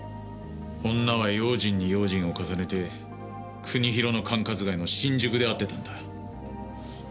女は用心に用心を重ねて国広の管轄外の新宿で会ってたんだ。